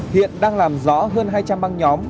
hiện đang làm rõ hơn hai trăm linh băng nhóm